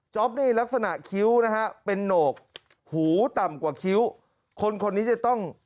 นี่ลักษณะคิ้วนะฮะเป็นโหนกหูต่ำกว่าคิ้วคนคนนี้จะต้อง